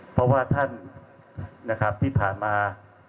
เพราะว่าท่านที่ผ่านมา